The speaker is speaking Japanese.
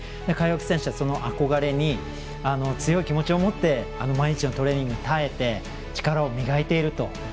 川除選手はその憧れに強い気持ちを持って毎日のトレーニングに耐えて力を磨いていると。